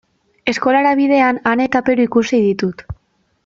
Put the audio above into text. Eskolara bidean Ane eta Peru ikusi ditut.